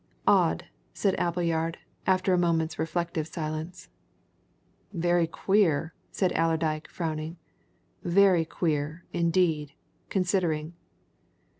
"Odd!" said Appleyard, after a moment's reflective silence. "Very queer!" said Allerdyke frowning. "Very queer, indeed considering."